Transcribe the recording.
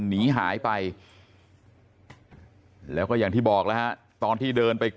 หนีหายไปแล้วก็อย่างที่บอกแล้วฮะตอนที่เดินไป